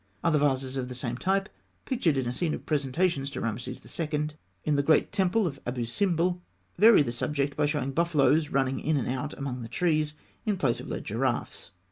Other vases of the same type, pictured in a scene of presentations to Rameses II. in the great temple of Abû Simbel, vary the subject by showing buffaloes running in and out among the trees, in place of led giraffes.